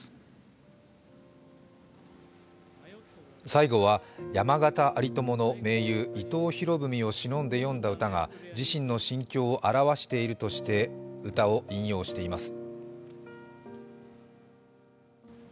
最後は、山縣有朋の盟友・伊藤博文をしのんで詠んだ歌が自身の心境を表しているとして、歌を引用しています。